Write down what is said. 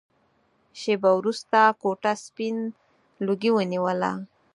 شېبه وروسته کوټه سپين لوګي ونيوله.